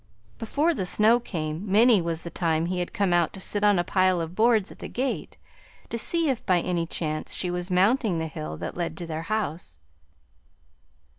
Before the snow came, many was the time he had come out to sit on a pile of boards at the gate, to see if by any chance she was mounting the hill that led to their house.